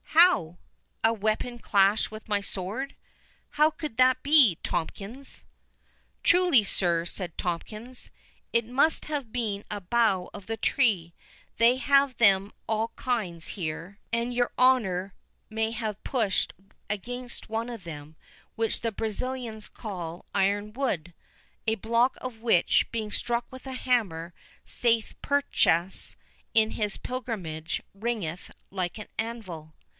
"How? a weapon clash with my sword?—How could that be, Tomkins?" "Truly, sir," said Tomkins, "it must have been a bough of the tree; they have them of all kinds here, and your honour may have pushed against one of them, which the Brazilians call iron wood, a block of which, being struck with a hammer, saith Purchas in his Pilgrimage, ringeth like an anvil."